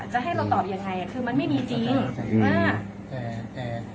จะให้เราตอบยังไงคือมันไม่มีจริงว่าแต่